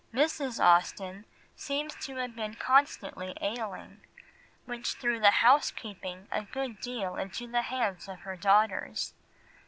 Mrs. Austen seems to have been constantly ailing, which threw the housekeeping a good deal into the hands of her daughters.